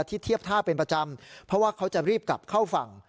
เทียบท่าเป็นประจำเพราะว่าเขาจะรีบกลับเข้าฝั่ง